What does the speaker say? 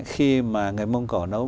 khi mà người mông cổ nấu